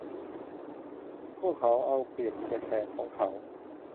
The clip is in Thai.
พวกเขาเอาเปรียบแขกของเขา